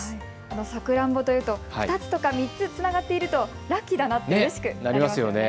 サクランボというと、２つとか３つ、つながっているとラッキーとうれしくなりますね。